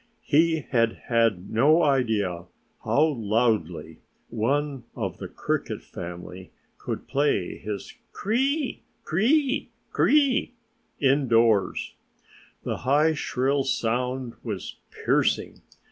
He had had no idea how loudly one of the Cricket family could play his cr r r i! cr r r i! cr r r i! indoors. The high, shrill sound was piercing.